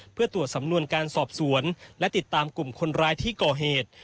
เพื่อตรวจสำนวนการสอบสวนและติดตามกลุ่มคนร้ายที่ก่อเหตุ